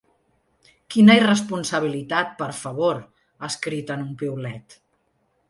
Quina irresponsabilitat, per favor, ha escrit en un piulet.